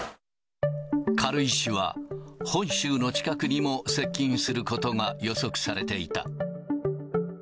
軽石は、本州の近くにも接近することが予測されていた。